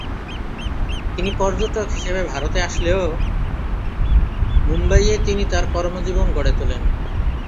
তিনি পর্যটক হিসেবে ভারতে আসলেও মুম্বাইয়ে তিনি তার কর্মজীবন গড়ে তোলেন।